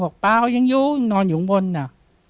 บอกเปล่ายังอยู่นอนอยู่บนอะ